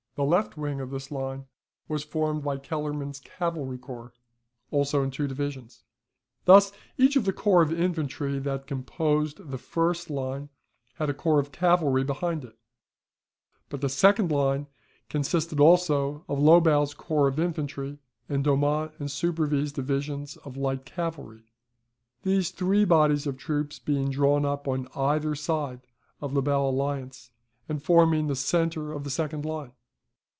The left wing of this line was formed by Kellerman's cavalry corps, also in two divisions. Thus each of the corps of infantry that composed the first line had a corps of cavalry behind it; but the second line consisted also of Lobau's corps of infantry, and Domont and Subervie's divisions of light cavalry; these three bodies of troops being drawn up on either side of La Belle Alliance, and forming the centre of the second line.